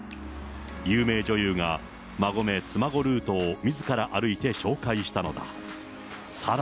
有名女優が、馬籠・妻籠ルートをみずから歩いて紹介したのだ。